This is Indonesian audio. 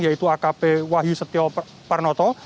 yaitu akp wahyu setio parnoto